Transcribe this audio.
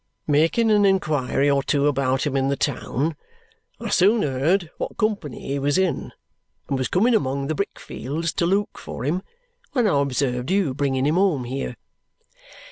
Making an inquiry or two about him in the town, I soon heard what company he was in and was coming among the brick fields to look for him when I observed you bringing him home here."